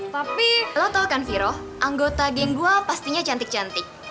tapi lo tau kan viro anggota geng gua pastinya cantik cantik